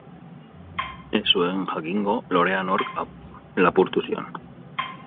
Ez zuen jakingo lorea nork lapurtu zion.